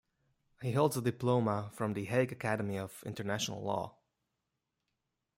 He holds a diploma from the Hague Academy of International Law.